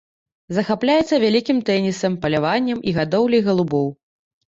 Захапляецца вялікім тэнісам, паляваннем і гадоўляй галубоў.